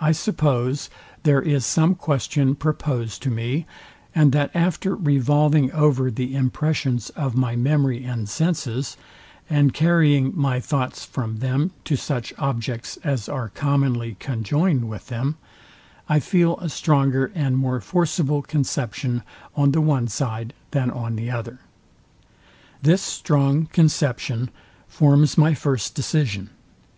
I suppose, there is some question proposed to me, and that after revolving over the impressions of my memory and senses, and carrying my thoughts from them to such objects, as are commonly conjoined with them, I feel a stronger and more forcible conception on the one side, than on the other. This strong conception forms my first decision.